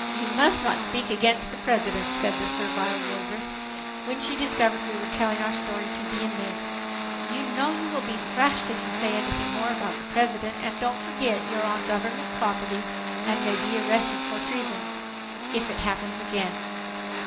"You must not speak against the President," said the servile wardress, when she discovered we were telling our story to the inmates. "You know you will be thrashed if you say anything more about the President; and don't forget you're on Government property and may be arrested for treason if it happens again."